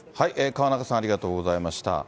河中さん、ありがとうございました。